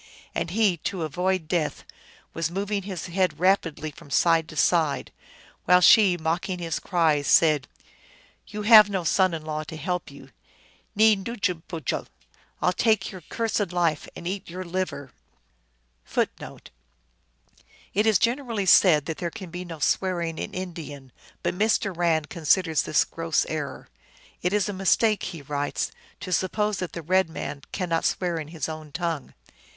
And he, to avoid death, was mov ing his head rapidly from side to side, while she, mocking his cries, said, " You have no son in law to help you." Neen ndbujjeole, " I 11 take your cursed life, 1 and eat your liver." 1 It is generally said that there can be no swearing in Indian, but Mr. Rand corrects this gross error. " It is a mistake," he writes, " to suppose that the red man cannot swear in his own tongue."